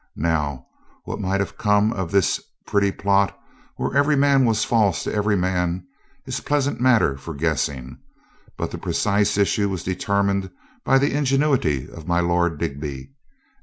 Now, what might have come of this pretty plot, where every man was false to every man, is pleas ant matter for guessing, but the precise issue was determined by the ingenuity of my Lord Digby.